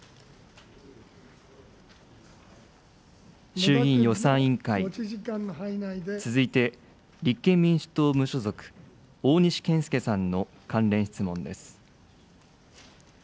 衆議院予算委員会、続いて立憲民主党・無所属、大西健介さんの関連質問です。